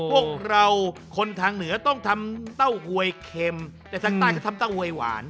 พวกเราคนทางเหนือต้องทำเต้าหวยเค็มแต่ทางใต้เขาทำเต้าหวยหวาน